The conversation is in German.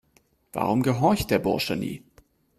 Warum gehorcht der Bursche nie?